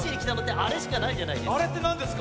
あれってなんですか？